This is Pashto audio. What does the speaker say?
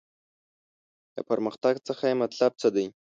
له پرمختګ څخه یې مطلب څه دی.